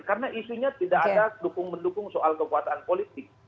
karena isunya tidak ada mendukung soal kekuasaan politik